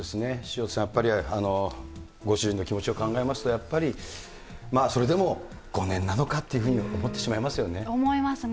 潮田さん、ご主人の気持ちを考えますと、やっぱりそれでも５年なのかって思ってしまいますよね。